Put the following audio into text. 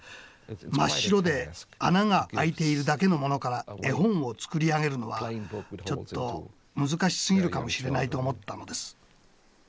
真っ白で穴があいているだけのものから絵本を作り上げるのはちょっと難しすぎるかもしれないと思ったのです。